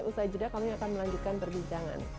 usai jeda kami akan melanjutkan perbincangan